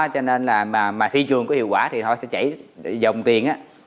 cho nên là mà thị trường có hiệu quả thì họ sẽ chạy dòng tiền